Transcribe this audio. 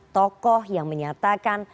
tokoh yang menyatakan